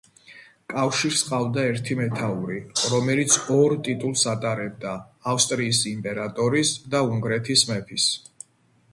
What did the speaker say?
კავშირს ჰყავდა ერთი მეთაური, რომელიც ორ ტიტულს ატარებდა ავსტრიის იმპერატორის და უნგრეთის მეფის.